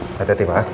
sampai ketemu ya